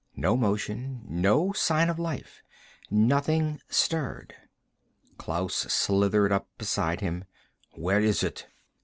No motion. No sign of life. Nothing stirred. Klaus slithered up beside him. "Where is it?"